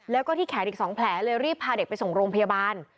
แล้วก็ที่แขนอีก๒แผลเลยรีบพาเด็กไปส่งโรงพยาบาล